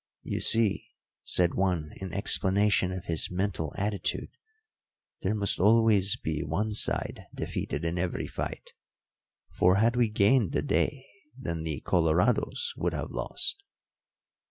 "You see," said one in explanation of his mental attitude, "there must always be one side defeated in every fight, for had we gained the day, then the Colorados would have lost."